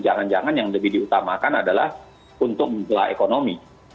jangan jangan yang lebih diutamakan adalah untuk menggela ekonomi